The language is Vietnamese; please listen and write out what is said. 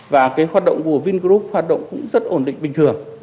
và cái hoạt động của vingroup hoạt động cũng rất ổn định bình thường